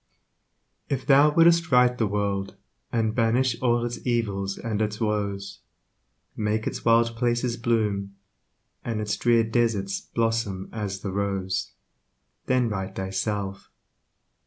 If thou would'st right the world, And banish all its evils and its woes, Make its wild places bloom, And its drear deserts blossom as the rose, Then right thyself.